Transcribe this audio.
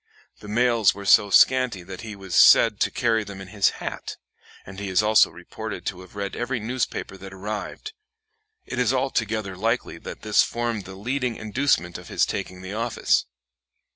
The mails were so scanty that he was said to carry them in his hat, and he is also reported to have read every newspaper that arrived; it is altogether likely that this formed the leading inducement to his taking the office.